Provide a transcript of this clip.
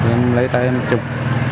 em lấy tay em chụp